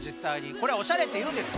これはおしゃれっていうんですか？